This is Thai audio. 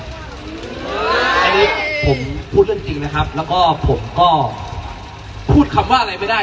อันนี้ผมพูดเรื่องจริงนะครับแล้วก็ผมก็พูดคำว่าอะไรไม่ได้